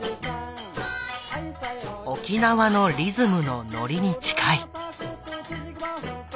沖縄のリズムのノリに近い。